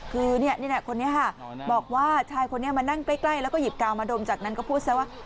คือนี่แหละคนนี้ค่ะบอกว่าชายคนนี้มานั่งใกล้แล้วก็หยิบกาวมาดมจากนั้นก็พูดซะว่า